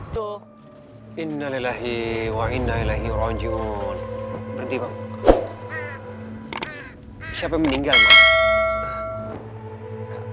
siapa yang meninggal pak